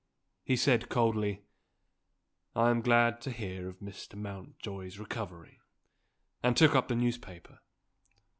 He said coldly, "I am glad to hear of Mr. Mountjoy's recovery" and took up the newspaper.